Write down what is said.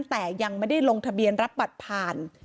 แต่ยังไม่ได้ลงทะเบียนรับบัตรผ่าน